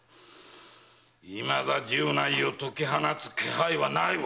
いまだ十内を解き放つ気配はないわ！